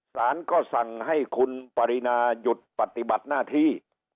สารก็สั่งให้คุณปรินาหยุดปฏิบัติหน้าที่